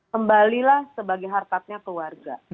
kembalilah sebagai harta keluarga